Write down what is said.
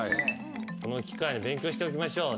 この機会に勉強しておきましょう。